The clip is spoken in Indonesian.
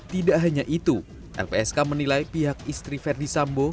tidak hanya itu lpsk menilai pihak istri ferdisambo